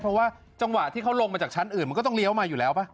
เพราะว่าจังหวะที่เขาลงมาจากชั้นอื่นมันก็ต้องเลี้ยวมาอยู่แล้วป่ะ